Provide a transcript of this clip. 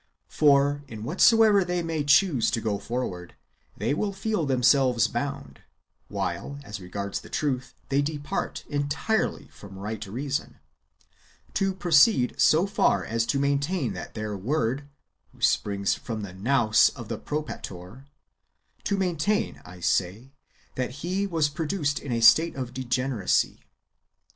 For, in whatsoever way they may choose to go forward, they will feel themselves bound (while, as regards the truth, they depart^ entirely from right reason) to proceed so far as to maintain that their Word, who springs from the Nous of the Propator, — to maintain, I say, that he was produced in a state of degeneracy.